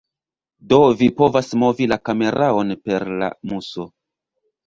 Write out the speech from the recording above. Do vi povas movi la kameraon per la muso.